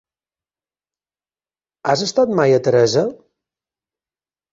Has estat mai a Teresa?